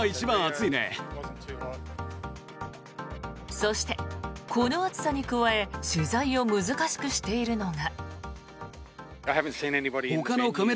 そして、この暑さに加え取材を難しくしているのが。